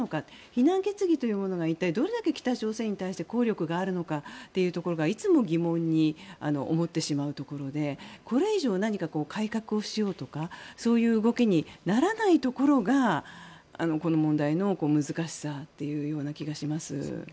非難決議というものが一体どれだけ北朝鮮に対して効力があるのかっていうところがいつも疑問に思ってしまうところでこれ以上何か改革をしようとかそういう動きにならないところがこの問題の難しさというような気がします。